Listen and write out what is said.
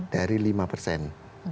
dari lima persen